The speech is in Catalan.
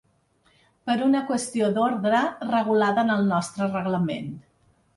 Per una qüestió d’ordre regulada en el nostre reglament.